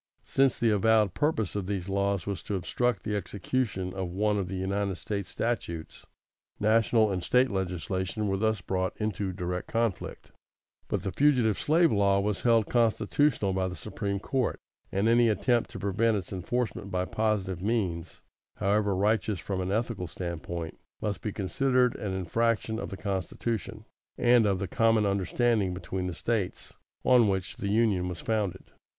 = Since the avowed purpose of these laws was to obstruct the execution of one of the United States statutes, national and State legislation were thus brought into direct conflict; but the Fugitive Slave Law was held constitutional by the Supreme Court, and any attempt to prevent its enforcement by positive means, however righteous from an ethical standpoint, must be considered an infraction of the Constitution, and of the common understanding between the States, on which the Union was founded.